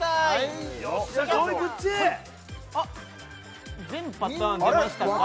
あっ全パターン出ましたか？